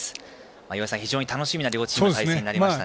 岩井さん、非常に楽しみな対戦になりましたね。